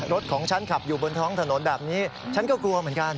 รถของฉันขับอยู่บนท้องถนนแบบนี้ฉันก็กลัวเหมือนกัน